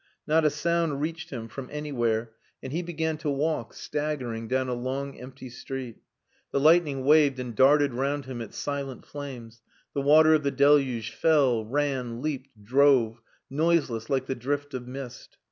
Not a sound reached him from anywhere, and he began to walk, staggering, down a long, empty street. The lightning waved and darted round him its silent flames, the water of the deluge fell, ran, leaped, drove noiseless like the drift of mist.